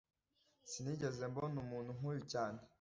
Sinigeze mbona umuntu nkuyu cyane